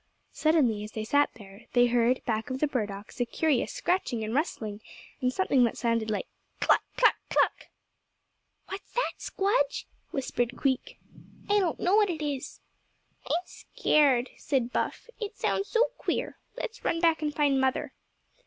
Suddenly, as they sat there, they heard, back of the burdocks, a curious scratching and rustling, and a something that sounded like "Cluck! cluck! cluck!" "What's that, Squdge?" whispered Queek. "I don't know what it is." "I'm scared," said Buff, "it sounds so queer. Let's run back and find mother."